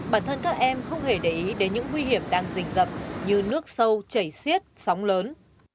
bản thân các em không hề để ý đến những nguy hiểm đang dình dập như nước sâu chảy xiết sóng lớn